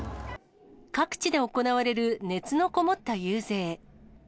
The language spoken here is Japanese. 各地で行われる熱の込もった遊説。